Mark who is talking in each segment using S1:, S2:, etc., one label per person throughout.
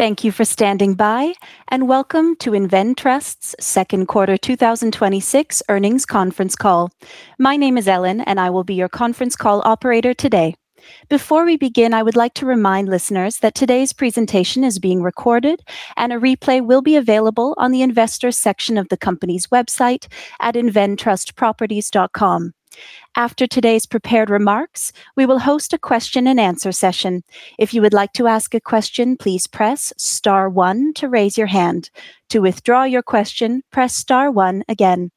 S1: Thank you for standing by, and welcome to InvenTrust's second quarter 2026 earnings conference call. My name is Ellen, and I will be your conference call operator today. Before we begin, I would like to remind listeners that today's presentation is being recorded, and a replay will be available on the investors section of the company's website at inventrustproperties.com. After today's prepared remarks, we will host a question and answer session. If you would like to ask a question, please press star one to raise your hand. To withdraw your question, press star one again.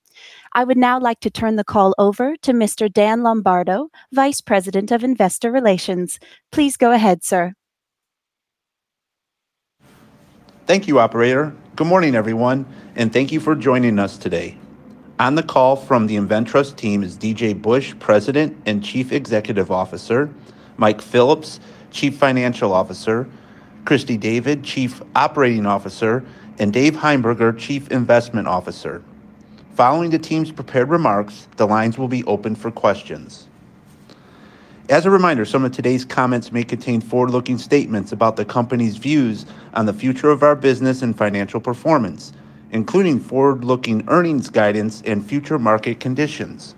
S1: I would now like to turn the call over to Mr. Dan Lombardo, Vice President of Investor Relations. Please go ahead, sir.
S2: Thank you, operator. Good morning, everyone, and thank you for joining us today. On the call from the InvenTrust team is DJ Busch, President and Chief Executive Officer, Mike Phillips, Chief Financial Officer, Christy David, Chief Operating Officer, and Dave Heimberger, Chief Investment Officer. Following the team's prepared remarks, the lines will be open for questions. As a reminder, some of today's comments may contain forward-looking statements about the company's views on the future of our business and financial performance, including forward-looking earnings guidance and future market conditions.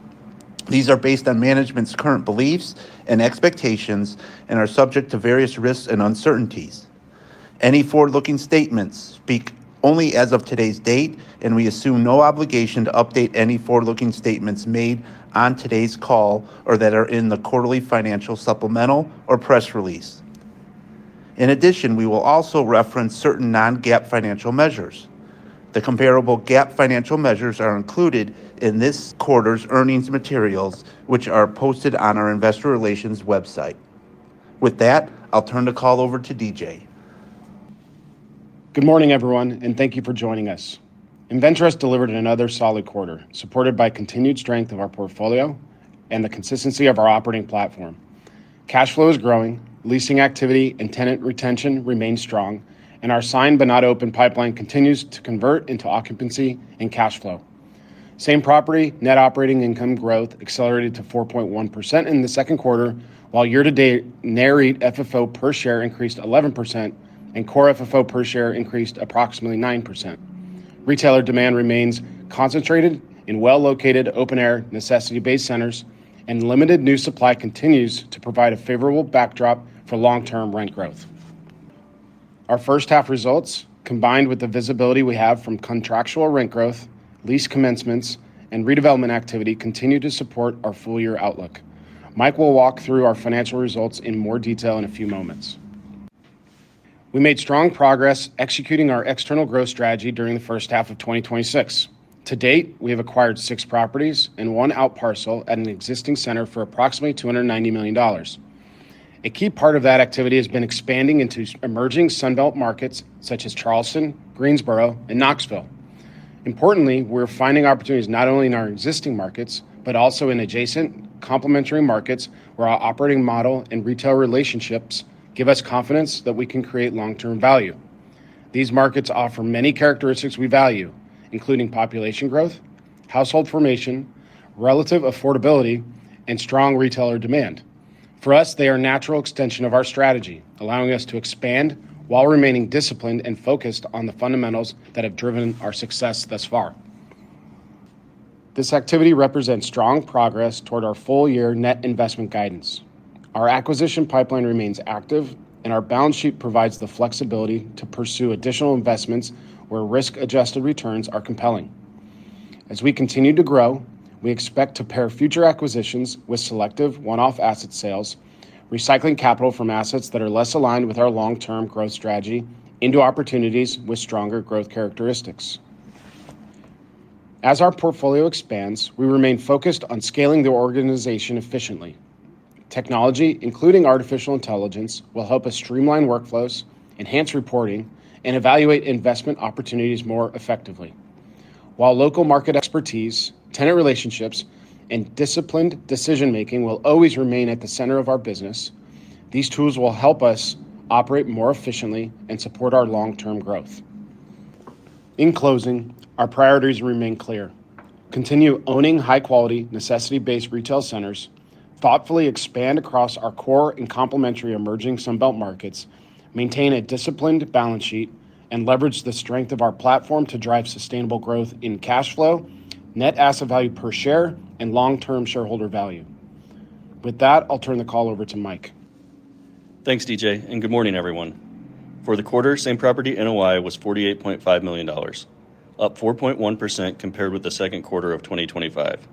S2: These are based on management's current beliefs and expectations and are subject to various risks and uncertainties. Any forward-looking statements speak only as of today's date, and we assume no obligation to update any forward-looking statements made on today's call or that are in the quarterly financial supplemental or press release. In addition, we will also reference certain non-GAAP financial measures. The comparable GAAP financial measures are included in this quarter's earnings materials, which are posted on our investor relations website. With that, I'll turn the call over to DJ.
S3: Good morning, everyone, and thank you for joining us. InvenTrust delivered another solid quarter, supported by continued strength of our portfolio and the consistency of our operating platform. Cash flow is growing, leasing activity and tenant retention remain strong, and our signed but not open pipeline continues to convert into occupancy and cash flow. Same Property net operating income growth accelerated to 4.1% in the second quarter, while year-to-date, Nareit FFO per share increased 11.1%, and Core FFO per share increased approximately 9.1%. Retailer demand remains concentrated in well-located, open air, necessity-based centers, and limited new supply continues to provide a favorable backdrop for long-term rent growth. Our first half results, combined with the visibility we have from contractual rent growth, lease commencements, and redevelopment activity, continue to support our full-year outlook. Mike will walk through our financial results in more detail in a few moments. We made strong progress executing our external growth strategy during the first half of 2026. To date, we have acquired six properties and one out parcel at an existing center for approximately $290 million. A key part of that activity has been expanding into emerging Sun Belt markets such as Charleston, Greensboro, and Knoxville. Importantly, we're finding opportunities not only in our existing markets, but also in adjacent complementary markets where our operating model and retail relationships give us confidence that we can create long-term value. These markets offer many characteristics we value, including population growth, household formation, relative affordability, and strong retailer demand. For us, they are a natural extension of our strategy, allowing us to expand while remaining disciplined and focused on the fundamentals that have driven our success thus far. This activity represents strong progress toward our full-year net investment guidance. Our acquisition pipeline remains active, and our balance sheet provides the flexibility to pursue additional investments where risk-adjusted returns are compelling. As we continue to grow, we expect to pair future acquisitions with selective one-off asset sales, recycling capital from assets that are less aligned with our long-term growth strategy into opportunities with stronger growth characteristics. As our portfolio expands, we remain focused on scaling the organization efficiently. Technology, including artificial intelligence, will help us streamline workflows, enhance reporting, and evaluate investment opportunities more effectively. While local market expertise, tenant relationships, and disciplined decision-making will always remain at the center of our business, these tools will help us operate more efficiently and support our long-term growth. In closing, our priorities remain clear. Continue owning high-quality, necessity-based retail centers, thoughtfully expand across our core and complementary emerging Sun Belt markets, maintain a disciplined balance sheet, and leverage the strength of our platform to drive sustainable growth in cash flow, net asset value per share, and long-term shareholder value. With that, I'll turn the call over to Mike.
S4: Thanks, DJ, and good morning, everyone. For the quarter, Same Property NOI was $48.5 million, up 4.1% compared with the second quarter of 2025.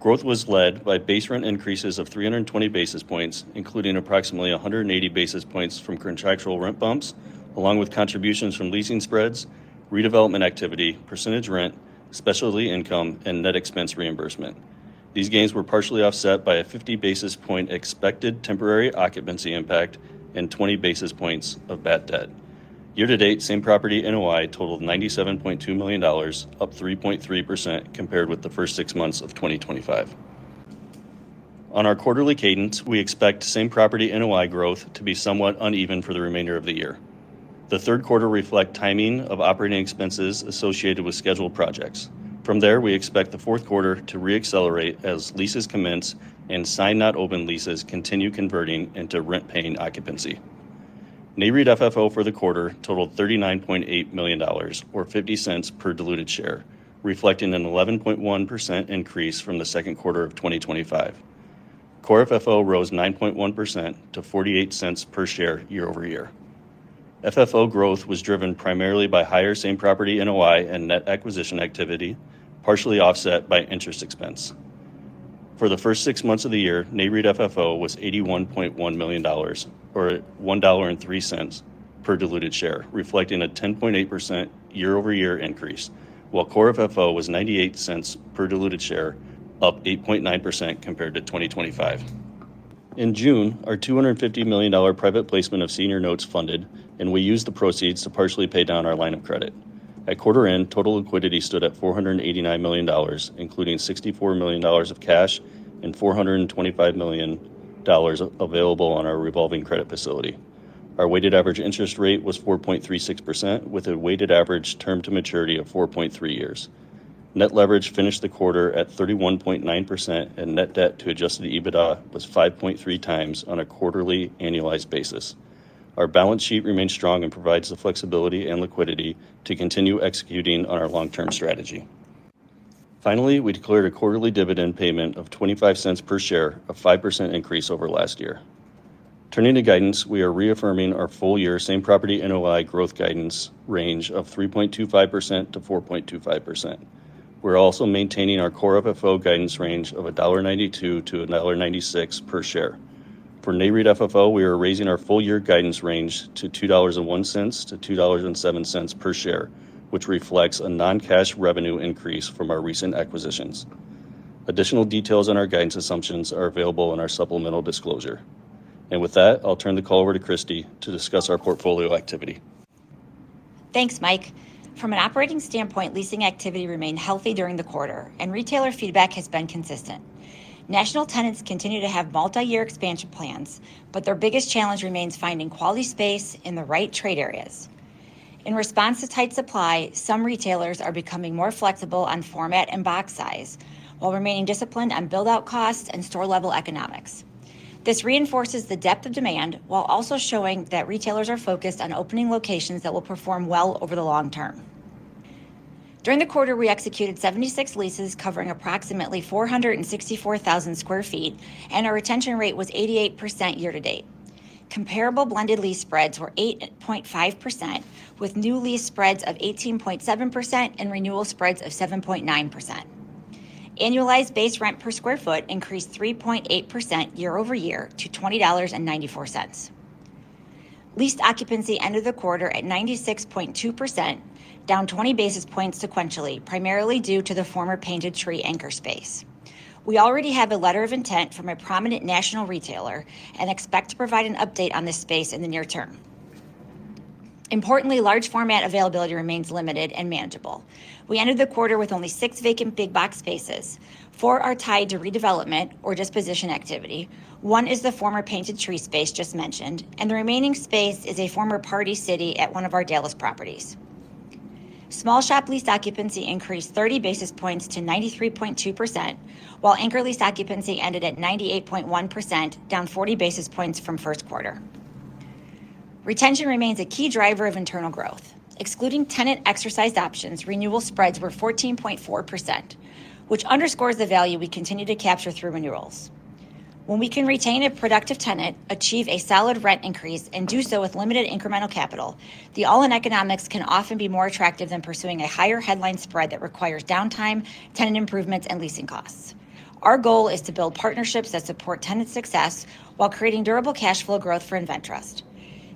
S4: Growth was led by base rent increases of 320 basis points, including approximately 180 basis points from contractual rent bumps, along with contributions from leasing spreads, redevelopment activity, percentage rent, specialty income, and net expense reimbursement. These gains were partially offset by a 50 basis point expected temporary occupancy impact and 20 basis points of bad debt. Year-to-date, Same Property NOI totaled $97.2 million, up 3.3% compared with the first six months of 2025. On our quarterly cadence, we expect Same Property NOI growth to be somewhat uneven for the remainder of the year. The third quarter reflect timing of operating expenses associated with scheduled projects. From there, we expect the fourth quarter to re-accelerate as leases commence and sign not open leases continue converting into rent-paying occupancy. Nareit FFO for the quarter totaled $39.8 million, or $0.50 per diluted share, reflecting an 11.1% increase from the second quarter of 2025. Core FFO rose 9.1% to $0.48 per share year-over-year. FFO growth was driven primarily by higher Same Property NOI and net acquisition activity, partially offset by interest expense. For the first six months of the year, Nareit FFO was $81.1 million, or $1.03 per diluted share, reflecting a 10.8% year-over-year increase, while Core FFO was $0.98 per diluted share, up 8.9% compared to 2025. In June, our $250 million private placement of senior notes funded, and we used the proceeds to partially pay down our line of credit. At quarter end, total liquidity stood at $489 million, including $64 million of cash and $425 million available on our revolving credit facility. Our weighted average interest rate was 4.36%, with a weighted average term to maturity of 4.3 years. Net leverage finished the quarter at 31.9%, and net debt to adjusted EBITDA was 5.3x on a quarterly annualized basis. Our balance sheet remains strong and provides the flexibility and liquidity to continue executing on our long-term strategy. Finally, we declared a quarterly dividend payment of $0.25 per share, a 5% increase over last year. Turning to guidance, we are reaffirming our full-year Same Property NOI growth guidance range of 3.25%-4.25%. We're also maintaining our Core FFO guidance range of $1.92-$1.96 per share. For Nareit FFO, we are raising our full-year guidance range to $2.01-$2.07 per share, which reflects a non-cash revenue increase from our recent acquisitions. Additional details on our guidance assumptions are available in our supplemental disclosure. With that, I'll turn the call over to Christy to discuss our portfolio activity.
S5: Thanks, Mike. From an operating standpoint, leasing activity remained healthy during the quarter, and retailer feedback has been consistent. National tenants continue to have multi-year expansion plans, but their biggest challenge remains finding quality space in the right trade areas. In response to tight supply, some retailers are becoming more flexible on format and box size while remaining disciplined on build-out costs and store-level economics. This reinforces the depth of demand while also showing that retailers are focused on opening locations that will perform well over the long term. During the quarter, we executed 76 leases covering approximately 464,000 sq ft, and our retention rate was 88% year-to-date. Comparable blended lease spreads were 8.5%, with new lease spreads of 18.7% and renewal spreads of 7.9%. Annualized base rent per square foot increased 3.8% year-over-year to $20.94. Leased occupancy ended the quarter at 96.2%, down 20 basis points sequentially, primarily due to the former Painted Tree anchor space. We already have a letter of intent from a prominent national retailer and expect to provide an update on this space in the near term. Importantly, large format availability remains limited and manageable. We ended the quarter with only six vacant big box spaces. Four are tied to redevelopment or disposition activity. One is the former Painted Tree space just mentioned, and the remaining space is a former Party City at one of our Dallas properties. Small shop lease occupancy increased 30 basis points to 93.2%, while anchor lease occupancy ended at 98.1%, down 40 basis points from first quarter. Retention remains a key driver of internal growth. Excluding tenant exercise options, renewal spreads were 14.4%, which underscores the value we continue to capture through renewals. When we can retain a productive tenant, achieve a solid rent increase, and do so with limited incremental capital, the all-in economics can often be more attractive than pursuing a higher headline spread that requires downtime, tenant improvements, and leasing costs. Our goal is to build partnerships that support tenant success while creating durable cash flow growth for InvenTrust.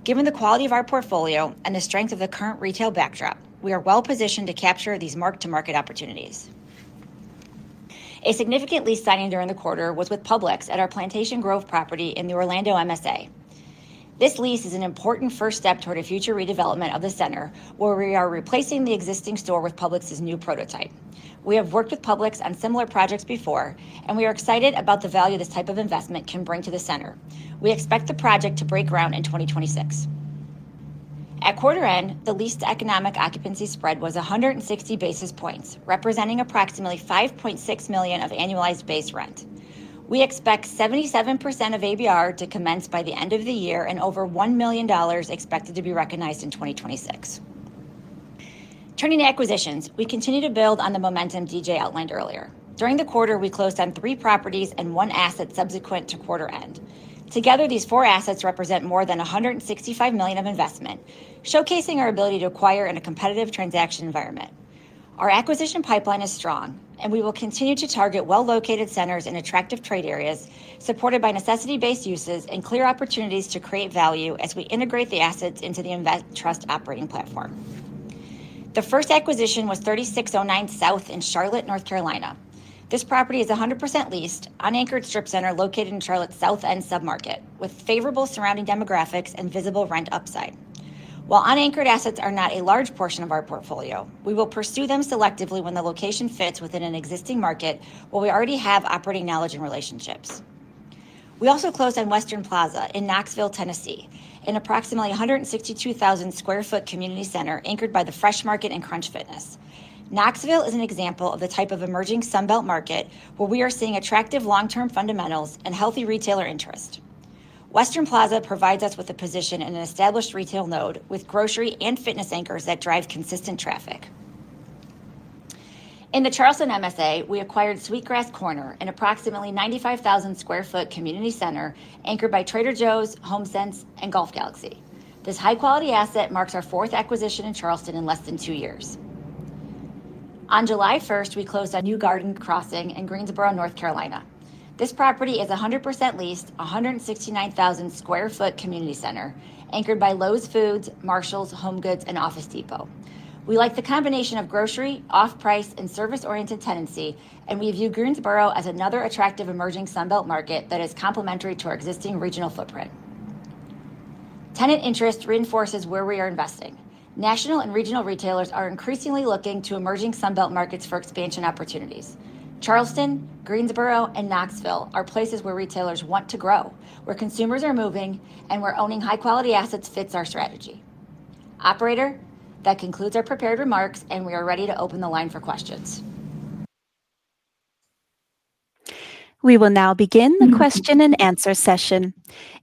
S5: Given the quality of our portfolio and the strength of the current retail backdrop, we are well positioned to capture these mark-to-market opportunities. A significant lease signing during the quarter was with Publix at our Plantation Grove property in the Orlando MSA. This lease is an important first step toward a future redevelopment of the center, where we are replacing the existing store with Publix's new prototype. We are excited about the value this type of investment can bring to the center. We expect the project to break ground in 2026. At quarter end, the leased economic occupancy spread was 160 basis points, representing approximately $5.6 million of annualized base rent. We expect 77% of ABR to commence by the end of the year and over $1 million expected to be recognized in 2026. Turning to acquisitions, we continue to build on the momentum DJ outlined earlier. During the quarter, we closed on three properties and one asset subsequent to quarter end. Together, these four assets represent more than $165 million of investment, showcasing our ability to acquire in a competitive transaction environment. Our acquisition pipeline is strong. We will continue to target well-located centers in attractive trade areas, supported by necessity-based uses and clear opportunities to create value as we integrate the assets into the InvenTrust operating platform. The first acquisition was 3609 South in Charlotte, North Carolina. This property is 100% leased, unanchored strip center located in Charlotte South End submarket with favorable surrounding demographics and visible rent upside. While unanchored assets are not a large portion of our portfolio, we will pursue them selectively when the location fits within an existing market where we already have operating knowledge and relationships. We also closed on Western Plaza in Knoxville, Tennessee. An approximately 162,000 sq ft community center anchored by The Fresh Market and Crunch Fitness. Knoxville is an example of the type of emerging Sun Belt market where we are seeing attractive long-term fundamentals and healthy retailer interest. Western Plaza provides us with a position in an established retail node with grocery and fitness anchors that drive consistent traffic. In the Charleston MSA, we acquired Sweetgrass Corner, an approximately 95,000 sq ft community center anchored by Trader Joe's, HomeSense, and Golf Galaxy. This high-quality asset marks our fourth acquisition in Charleston in less than two years. On July 1st, we closed on New Garden Crossing in Greensboro, North Carolina. This property is 100% leased, 169,000 sq ft community center anchored by Lowe's Foods, Marshalls, HomeGoods, and Office Depot. We like the combination of grocery, off-price, and service-oriented tenancy, and we view Greensboro as another attractive emerging Sun Belt market that is complementary to our existing regional footprint. Tenant interest reinforces where we are investing. National and regional retailers are increasingly looking to emerging Sun Belt markets for expansion opportunities. Charleston, Greensboro, and Knoxville are places where retailers want to grow, where consumers are moving, and where owning high-quality assets fits our strategy. Operator, that concludes our prepared remarks, and we are ready to open the line for questions.
S1: We will now begin the question and answer session.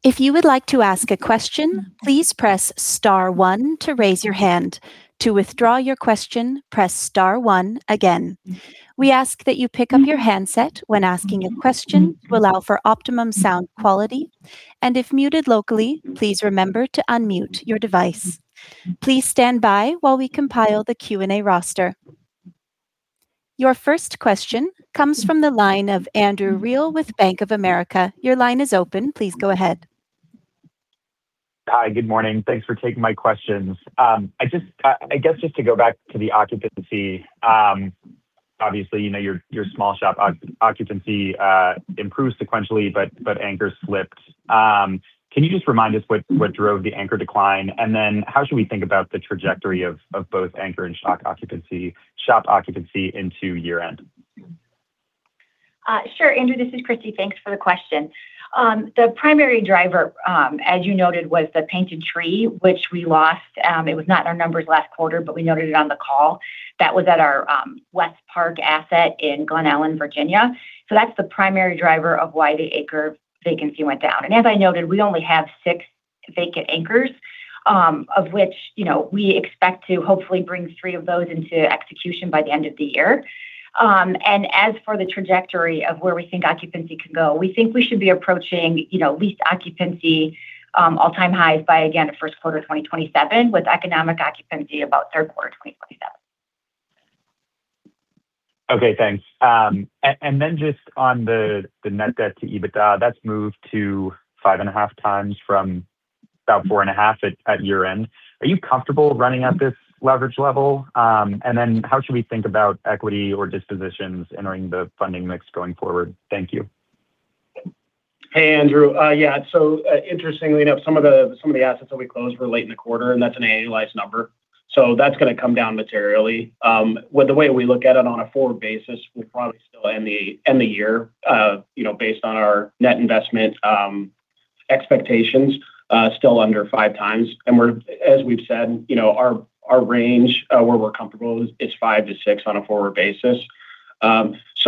S1: If you would like to ask a question, please press star one to raise your hand. To withdraw your question, press star one again. We ask that you pick up your handset when asking a question to allow for optimum sound quality. If muted locally, please remember to unmute your device. Please stand by while we compile the Q&A roster. Your first question comes from the line of Andrew Reale with Bank of America. Your line is open. Please go ahead.
S6: Hi. Good morning. Thanks for taking my questions. I guess just to go back to the occupancy. Obviously, your small shop occupancy improved sequentially, but anchors slipped. Can you just remind us what drove the anchor decline, and then how should we think about the trajectory of both anchor and shop occupancy into year-end?
S5: Sure, Andrew, this is Christy. Thanks for the question. The primary driver, as you noted, was the Painted Tree, which we lost. It was not in our numbers last quarter, but we noted it on the call. That was at our West Park asset in Glen Allen, Virginia. That's the primary driver of why the anchor vacancy went down. As I noted, we only have six vacant anchors, of which we expect to hopefully bring three of those into execution by the end of the year. As for the trajectory of where we think occupancy can go, we think we should be approaching leased occupancy all-time highs by, again, first quarter 2027, with economic occupancy about third quarter 2027.
S6: Okay, thanks. Just on the net debt to EBITDA. That's moved to 5.5x from about 4.5x at year-end. Are you comfortable running at this leverage level? How should we think about equity or dispositions entering the funding mix going forward? Thank you.
S3: Hey, Andrew. Yeah. Interestingly enough, some of the assets that we closed were late in the quarter, and that's an annualized number. That's going to come down materially. With the way we look at it on a forward basis, we probably still end the year, based on our net investment expectations, still under 5x. As we've said, our range where we're comfortable is 5x-6x on a forward basis.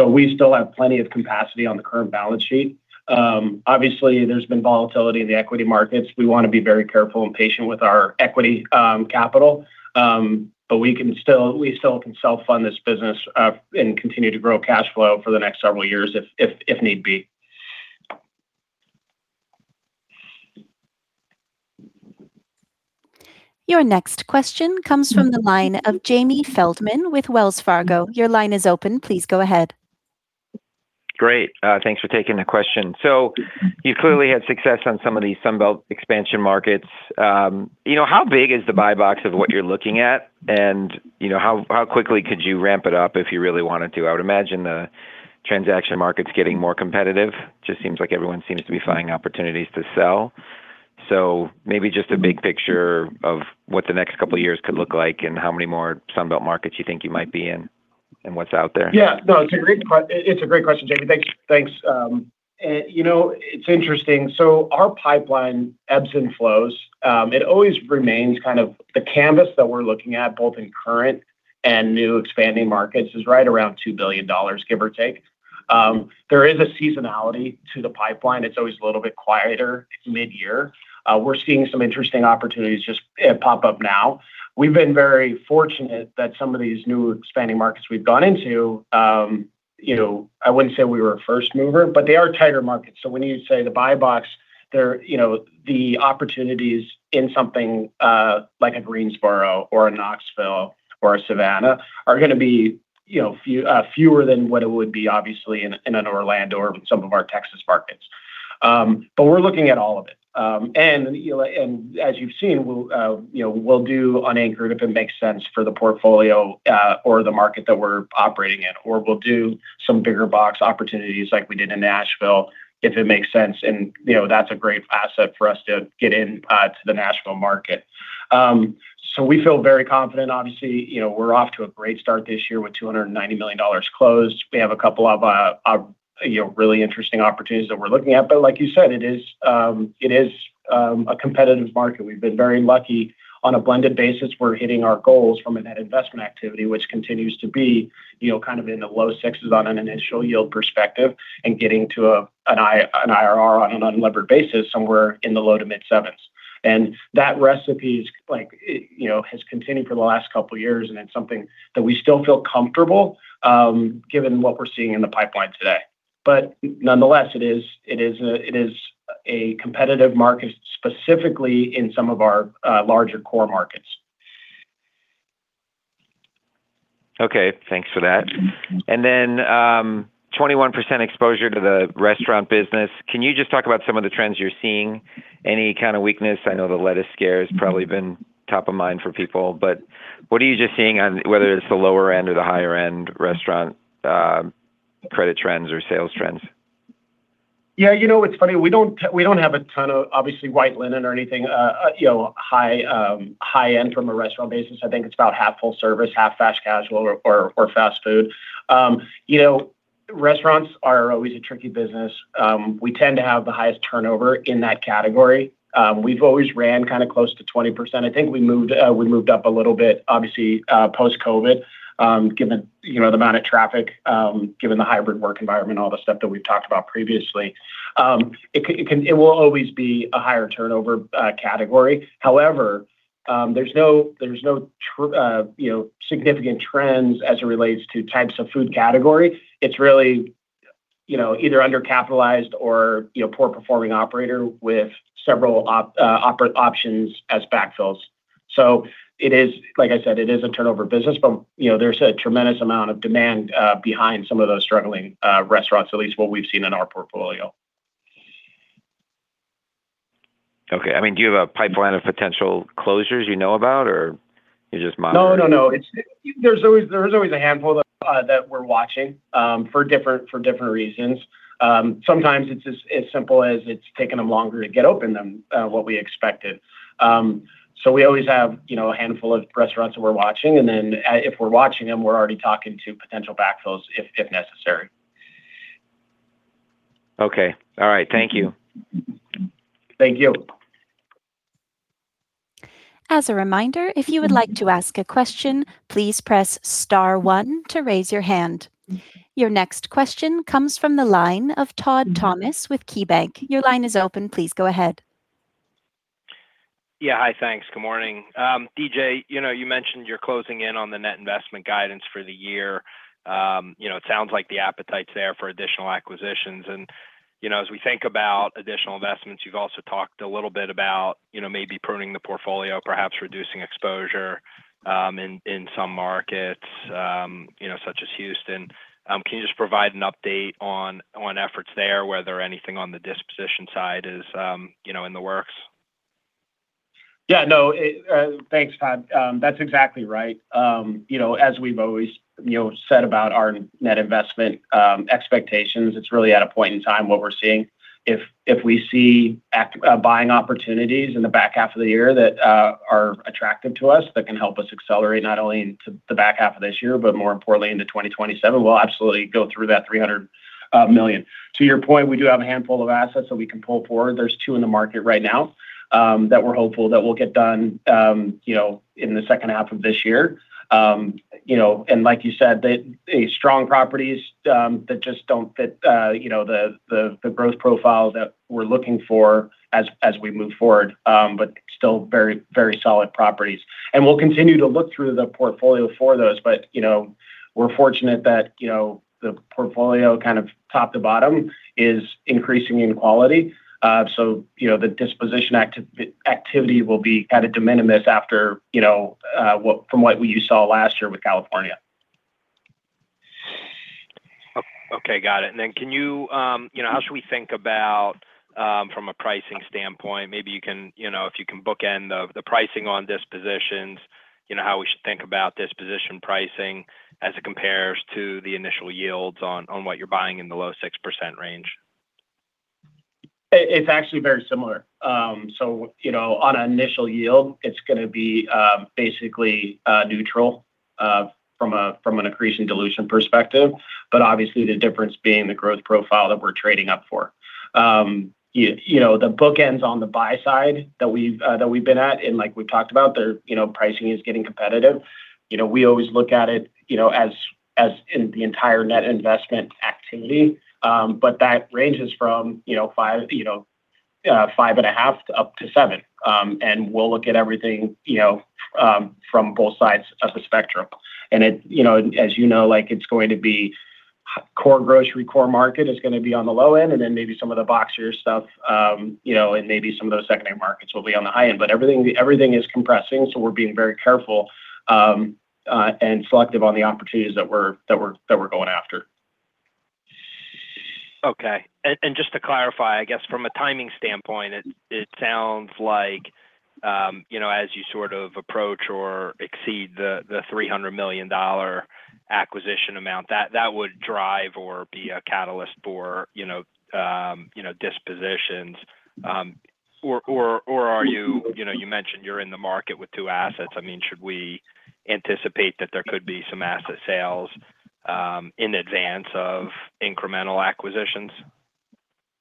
S3: We still have plenty of capacity on the current balance sheet. Obviously, there's been volatility in the equity markets. We want to be very careful and patient with our equity capital, but we still can self-fund this business, and continue to grow cash flow for the next several years if need be.
S1: Your next question comes from the line of Jamie Feldman with Wells Fargo. Your line is open. Please go ahead.
S7: Great. Thanks for taking the question. You clearly had success on some of these Sun Belt expansion markets. How big is the buy box of what you're looking at, and how quickly could you ramp it up if you really wanted to? I would imagine the transaction market's getting more competitive. Just seems like everyone seems to be finding opportunities to sell. Maybe just a big picture of what the next couple of years could look like, and how many more Sun Belt markets you think you might be in, and what's out there.
S3: Yeah. No, it's a great question, Jamie. Thanks. It's interesting. Our pipeline ebbs and flows. It always remains kind of the canvas that we're looking at, both in current and new expanding markets is right around $2 billion, give or take. There is a seasonality to the pipeline. It's always a little bit quieter mid-year. We're seeing some interesting opportunities just pop up now. We've been very fortunate that some of these new expanding markets we've gone into, I wouldn't say we were a first mover, but they are tighter markets. When you say the buy box, the opportunities in something like a Greensboro or a Knoxville or a Savannah are going to be fewer than what it would be obviously in an Orlando or some of our Texas markets. We're looking at all of it. As you've seen, we'll do unanchored if it makes sense for the portfolio, or the market that we're operating in, or we'll do some bigger box opportunities like we did in Nashville, if it makes sense, and that's a great asset for us to get into the Nashville market. We feel very confident. Obviously, we're off to a great start this year with $290 million closed. We have really interesting opportunities that we're looking at. Like you said, it is a competitive market. We've been very lucky. On a blended basis, we're hitting our goals from a net investment activity, which continues to be kind of in the low sixes on an initial yield perspective and getting to an IRR on an unlevered basis somewhere in the low to mid 7%. That recipe has continued for the last couple of years, and it's something that we still feel comfortable given what we're seeing in the pipeline today. Nonetheless, it is a competitive market, specifically in some of our larger core markets.
S7: Okay. Thanks for that. 21% exposure to the restaurant business. Can you just talk about some of the trends you're seeing, any kind of weakness? I know the lettuce scare has probably been top of mind for people, what are you just seeing on whether it's the lower-end or the higher-end restaurant credit trends or sales trends?
S3: It's funny, we don't have a ton of, obviously, white linen or anything high end from a restaurant basis. I think it's about half full service, half fast casual or fast food. Restaurants are always a tricky business. We tend to have the highest turnover in that category. We've always ran kind of close to 20%. I think we moved up a little bit, obviously, post-COVID, given the amount of traffic, given the hybrid work environment, all the stuff that we've talked about previously. It will always be a higher turnover category. However, there's no significant trends as it relates to types of food category. It's really either under-capitalized or poor performing operator with several options as backfills. Like I said, it is a turnover business, but there's a tremendous amount of demand behind some of those struggling restaurants, at least what we've seen in our portfolio.
S7: Okay. Do you have a pipeline of potential closures you know about, or you're just monitoring?
S3: No. There is always a handful that we're watching for different reasons. Sometimes it's as simple as it's taken them longer to get open than what we expected. We always have a handful of restaurants that we're watching, and then if we're watching them, we're already talking to potential backfills if necessary.
S7: Okay. All right. Thank you.
S3: Thank you.
S1: As a reminder, if you would like to ask a question, please press star one to raise your hand. Your next question comes from the line of Todd Thomas with KeyBanc Your line is open. Please go ahead.
S8: Yeah. Hi. Thanks. Good morning. DJ, you mentioned you're closing in on the net investment guidance for the year. It sounds like the appetite's there for additional acquisitions. As we think about additional investments, you've also talked a little bit about maybe pruning the portfolio, perhaps reducing exposure in some markets such as Houston. Can you just provide an update on efforts there, whether anything on the disposition side is in the works?
S3: Thanks, Todd. That's exactly right. As we've always said about our net investment expectations, it's really at a point in time what we're seeing. If we see buying opportunities in the back half of the year that are attractive to us, that can help us accelerate not only into the back half of this year, but more importantly into 2027, we'll absolutely go through that $300 million. To your point, we do have a handful of assets that we can pull forward. There's two in the market right now that we're hopeful that will get done in the second half of this year. Like you said, strong properties that just don't fit the growth profile that we're looking for as we move forward, but still very solid properties. We'll continue to look through the portfolio for those, but we're fortunate that the portfolio kind of top to bottom is increasing in quality. The disposition activity will be kind of de minimis from what you saw last year with California.
S8: Okay. Got it. How should we think about from a pricing standpoint, maybe if you can bookend the pricing on dispositions, how we should think about disposition pricing as it compares to the initial yields on what you're buying in the low 6% range?
S3: It's actually very similar. On initial yield, it's going to be basically neutral from an accretion dilution perspective, but obviously the difference being the growth profile that we're trading up for. The bookends on the buy side that we've been at, like we've talked about, the pricing is getting competitive. We always look at it as in the entire net investment activity. That ranges from 5.5% up to 7%. We'll look at everything from both sides of the spectrum. As you know, it's going to be core grocery, core market is going to be on the low end, then maybe some of the boxier stuff and maybe some of those second tier markets will be on the high end. Everything is compressing, we're being very careful and selective on the opportunities that we're going after.
S8: Okay. Just to clarify, I guess from a timing standpoint, it sounds like as you sort of approach or exceed the $300 million acquisition amount, that would drive or be a catalyst for dispositions. Or you mentioned you're in the market with two assets. Should we anticipate that there could be some asset sales in advance of incremental acquisitions?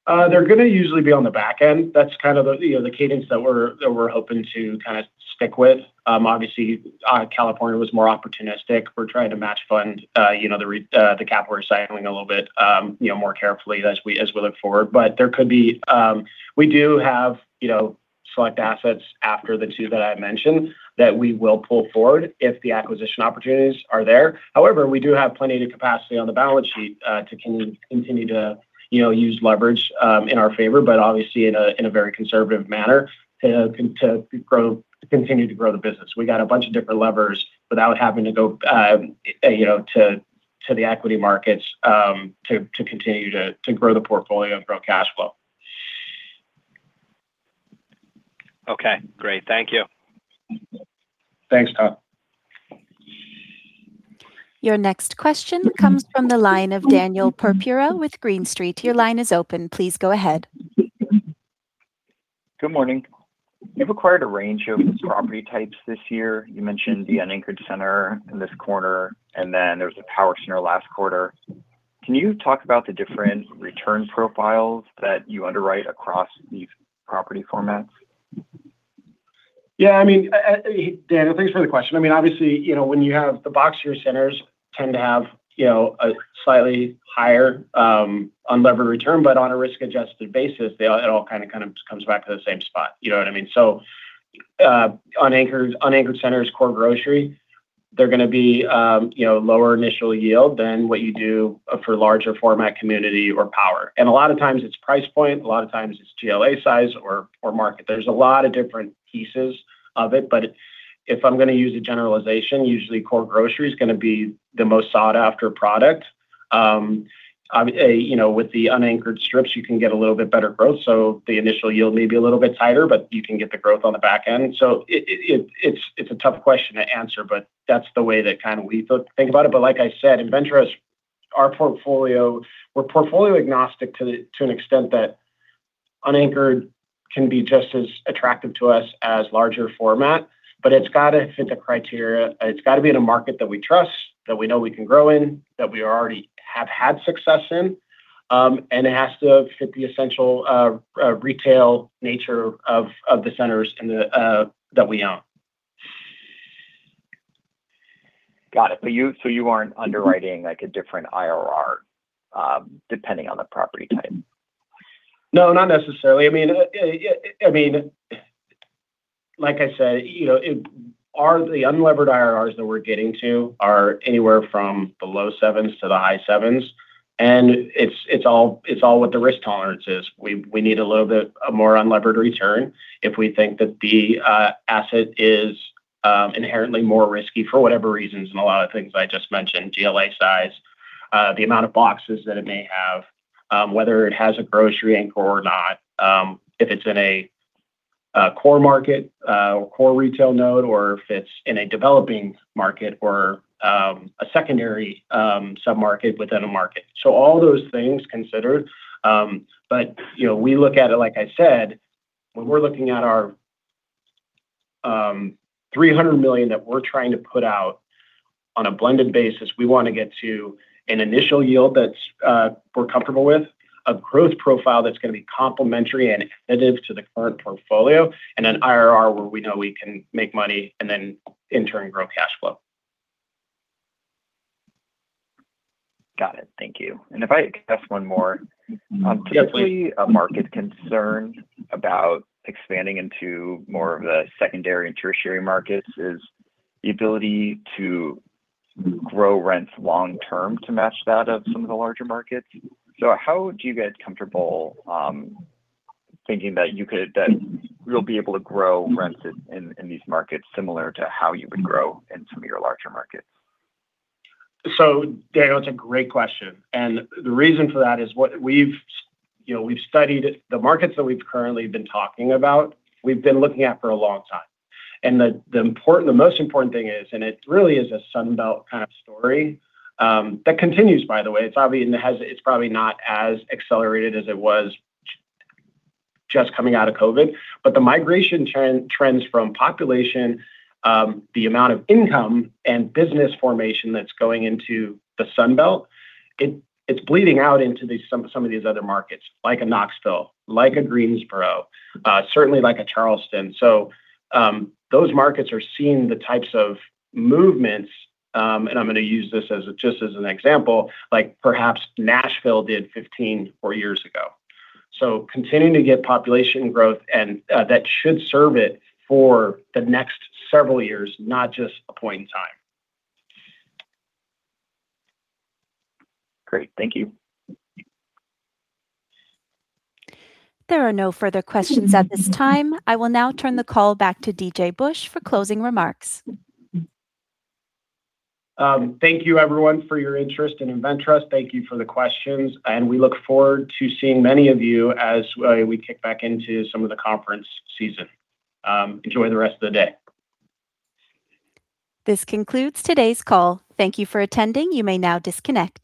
S3: They're going to usually be on the back end. That's kind of the cadence that we're hoping to stick with. Obviously, California was more opportunistic. We're trying to match fund the cap rate cycling a little bit more carefully as we look forward. We do have select assets after the two that I mentioned, that we will pull forward if the acquisition opportunities are there. However, we do have plenty of capacity on the balance sheet to continue to use leverage in our favor, but obviously in a very conservative manner to continue to grow the business. We got a bunch of different levers without having to go to the equity markets, to continue to grow the portfolio and grow cash flow.
S8: Okay, great. Thank you.
S3: Thanks, Todd.
S1: Your next question comes from the line of Daniel Purpura with Green Street. Your line is open. Please go ahead.
S9: Good morning. You've acquired a range of property types this year. You mentioned the unanchored center in this quarter. There was a power center last quarter. Can you talk about the different return profiles that you underwrite across these property formats?
S3: Yeah. Daniel, thanks for the question. Obviously, when you have the box here, centers tend to have a slightly higher unlevered return, but on a risk-adjusted basis, it all kind of comes back to the same spot. You know what I mean? Unanchored centers, core grocery, they're going to be lower initial yield than what you do for larger-format community or power. A lot of times it's price point, a lot of times it's GLA size or market. There's a lot of different pieces of it, but if I'm going to use a generalization, usually core grocery is going to be the most sought-after product. With the unanchored strips, you can get a little bit better growth. The initial yield may be a little bit tighter, but you can get the growth on the back end. It's a tough question to answer, but that's the way that we think about it. Like I said, InvenTrust, our portfolio, we're portfolio agnostic to an extent that unanchored can be just as attractive to us as larger format, but it's got to fit the criteria. It's got to be in a market that we trust, that we know we can grow in, that we already have had success in. It has to fit the essential retail nature of the centers that we own.
S9: Got it. You aren't underwriting a different IRR, depending on the property type?
S3: No, not necessarily. Like I said, the unlevered IRRs that we're getting to are anywhere from the low 7% to the high 7%, and it's all what the risk tolerance is. We need a little bit more unlevered return if we think that the asset is inherently more risky for whatever reasons. A lot of the things I just mentioned, GLA size, the amount of boxes that it may have, whether it has a grocery anchor or not, if it's in a core market, or core retail node, or if it's in a developing market or a secondary sub-market within a market. All those things considered, but we look at it, like I said, when we're looking at our $300 million that we're trying to put out on a blended basis, we want to get to an initial yield that we're comfortable with, a growth profile that's going to be complementary and additive to the current portfolio, and an IRR where we know we can make money and then in turn, grow cash flow.
S9: Got it. Thank you. If I could ask one more.
S3: Yeah, please.
S9: Typically, a market concern about expanding into more of the secondary and tertiary markets is the ability to grow rents long-term to match that of some of the larger markets. How do you get comfortable thinking that you'll be able to grow rents in these markets similar to how you would grow in some of your larger markets?
S3: Daniel, it's a great question. The reason for that is we've studied the markets that we've currently been talking about, we've been looking at for a long time. The most important thing is, and it really is a Sun Belt kind of story, that continues by the way. It's probably not as accelerated as it was just coming out of COVID, but the migration trends from population, the amount of income and business formation that's going into the Sun Belt, it's bleeding out into some of these other markets, like a Knoxville, like a Greensboro, certainly like a Charleston. Those markets are seeing the types of movements, and I'm going to use this just as an example, like perhaps Nashville did 15 or years ago. Continuing to get population growth, and that should serve it for the next several years, not just a point in time.
S9: Great. Thank you.
S1: There are no further questions at this time. I will now turn the call back to DJ Busch for closing remarks.
S3: Thank you everyone for your interest in InvenTrust. Thank you for the questions, and we look forward to seeing many of you as we kick back into some of the conference season. Enjoy the rest of the day.
S1: This concludes today's call. Thank you for attending. You may now disconnect.